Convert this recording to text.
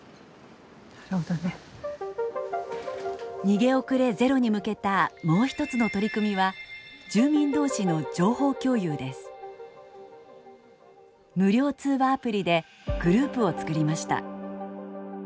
逃げ遅れゼロに向けたもう一つの取り組みは無料通話アプリでグループを作りました。